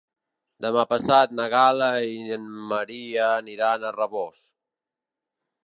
Demà passat na Gal·la i en Maria aniran a Rabós.